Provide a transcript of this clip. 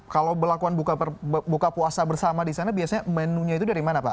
kalau melakukan buka puasa bersama di sana biasanya menunya itu dari mana pak